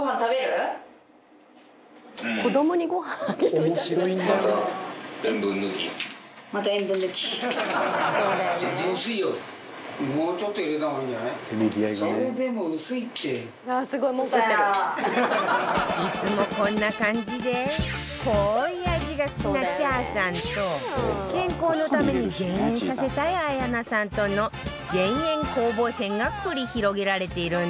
「子どもにごはんあげるみたい」いつもこんな感じで濃い味が好きな茶さんと健康のために減塩させたい綾菜さんとの減塩攻防戦が繰り広げられているんだけど